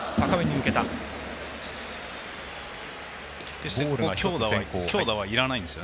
決して強打はいらないんですよ